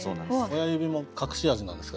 親指も隠し味なんですか？